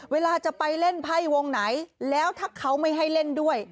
เวลาจะไปเล่นไพ่วงไหนแล้วถ้าเขาไม่ให้เล่นด้วย